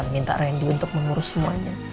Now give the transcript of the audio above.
minta randy untuk mengurus semuanya